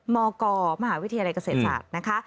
มกมหาวิทยาลัยเกษตรศาสตร์นะคะ